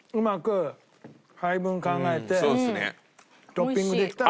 トッピングできたら。